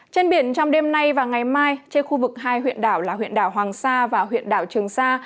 trên biển trong đêm nay và ngày mai trên khu vực hai huyện đảo là huyện đảo hoàng sa và huyện đảo trường sa